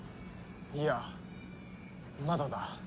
いやまだだ。